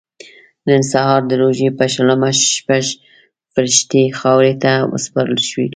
نن سهار د روژې په شلمه شپږ فرښتې خاورو ته وسپارل شوې.